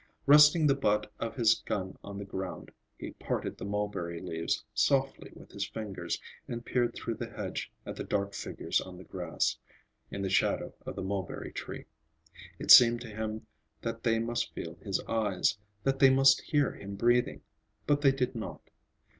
Resting the butt of his gun on the ground, he parted the mulberry leaves softly with his fingers and peered through the hedge at the dark figures on the grass, in the shadow of the mulberry tree. It seemed to him that they must feel his eyes, that they must hear him breathing. But they did not.